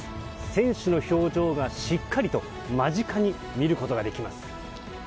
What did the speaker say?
選手の表情がしっかりと間近に見ることができます。